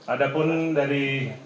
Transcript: ada pun dari